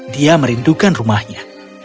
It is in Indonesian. dia merindukan rumahnya